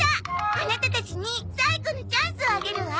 アナタたちに最後のチャンスをあげるわ！